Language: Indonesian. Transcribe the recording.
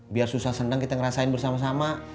biar susah senang kita ngerasain bersama sama